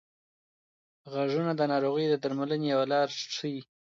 غږونه د ناروغۍ د درملنې یوه لار ښيي.